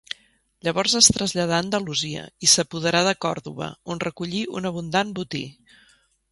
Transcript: Llavors es traslladà a Andalusia i s'apoderà de Còrdova, on recollí un abundant botí.